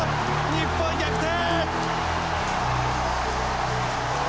日本逆転！